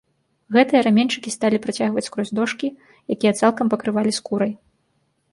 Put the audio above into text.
Гэтыя раменьчыкі сталі працягваць скрозь дошкі, якія цалкам пакрывалі скурай.